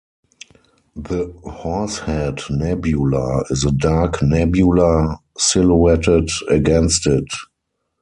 The Horsehead Nebula is a dark nebula silhouetted against it.